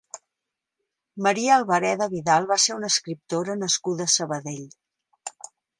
Maria Albareda Vidal va ser una escriptora nascuda a Sabadell.